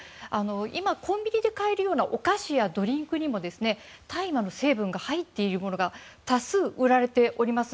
今、コンビニで買えるようなお菓子やドリンクにも大麻の成分が入っているものが多数売られております。